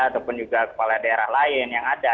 ataupun juga kepala daerah lain yang ada